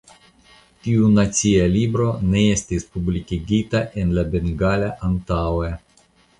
Tiu nacia libro ne estis publikigita en bengala antaŭe.